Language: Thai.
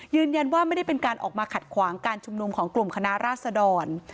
ยืนยันว่าไม่ได้เป็นการออกมาขัดขวางการชุมนุมของกลุ่มคณะราษดร